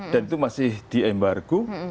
dan itu masih di embargo